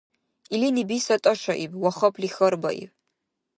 Илини биса тӀашаиб ва хапли хьарбаиб: